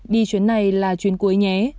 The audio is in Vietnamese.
đi chuyến này là chuyến cuối nhé